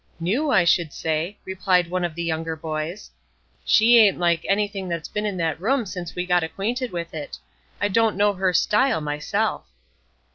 "New, I should say," replied one of the younger boys; "she ain't like anything that's been in that room since we got acquainted with it. I don't know her style, myself."